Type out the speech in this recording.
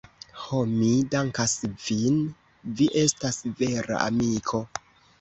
Ho, mi dankas vin, vi estas vera amiko.